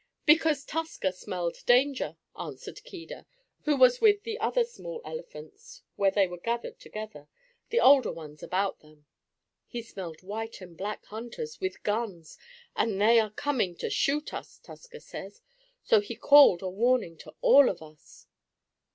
"Because Tusker smelled danger," answered Keedah, who was with the other small elephants where they were gathered together, the older ones about them. "He smelled white and black hunters, with guns, and they are coming to shoot us, Tusker says. So he called a warning to all of us."